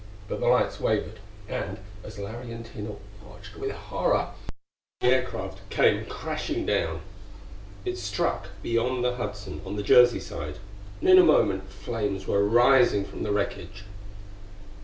But the lights wavered; and, as Larry and Tina watched with horror, the aircraft came crashing down. It struck beyond the Hudson on the Jersey side, and in a moment flames were rising from the wreckage.